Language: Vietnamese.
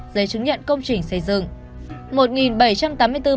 giấy chứng nhận công trình xây dựng